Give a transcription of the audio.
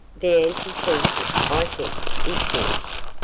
the antithesis, I think, is good.